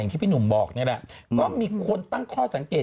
อย่างที่พี่หนุ่มบอกก็มีคนตั้งข้อสังเกต